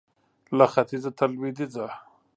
له ختیځه تر لوېدیځه